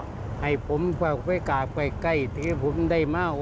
ขอให้ผมกลับไปใกล้ที่ผมได้มา